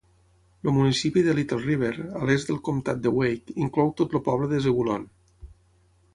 El municipi de Little River, a l'est del comtat de Wake, inclou tot el poble de Zebulon.